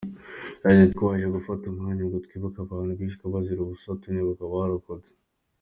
Yagize ati “Twaje gufata umwanya ngo twibuke abantu bishwe bazira ubusa tunibuka abarokotse.